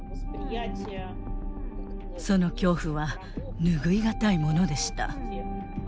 その恐怖は拭いがたいものでした。